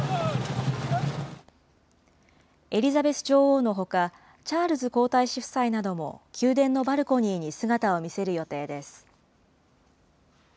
エリザベス女王のほか、チャールズ皇太子夫妻なども宮殿のバルコニーに姿を見せる予定です。